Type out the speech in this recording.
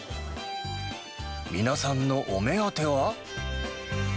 皆さんのお目当ては。